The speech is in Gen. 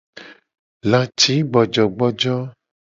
Lacigbojogbojo.